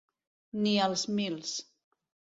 Ni als mils.